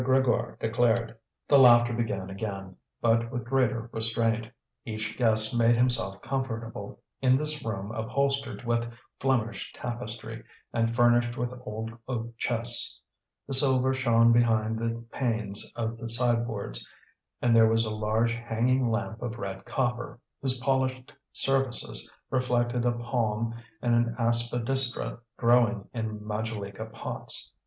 Grégoire declared. The laughter began again, but with greater restraint. Each guest made himself comfortable, in this room upholstered with Flemish tapestry and furnished with old oak chests. The silver shone behind the panes of the sideboards; and there was a large hanging lamp of red copper, whose polished surfaces reflected a palm and an aspidistra growing in majolica pots.